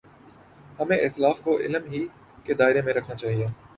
ہمیں اختلاف کو علم ہی کے دائرے میں رکھنا چاہیے۔